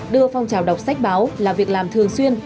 đưa phong trào đọc sách báo là việc làm thường xuyên